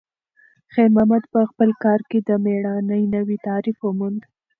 خیر محمد په خپل کار کې د میړانې نوی تعریف وموند.